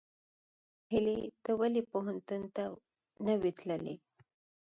هیلۍ ته ولې پوهنتون ته نه وې تللې؟